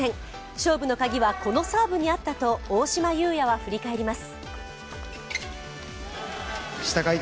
勝負のカギはこのサーブにあったと大島祐哉は振り返ります。